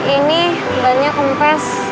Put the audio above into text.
ini bannya kempes